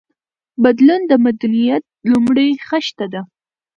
بدلون د مدنيت لومړۍ خښته ده.